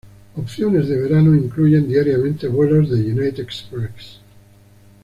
Opciones de verano incluyen diariamente vuelos de United Express.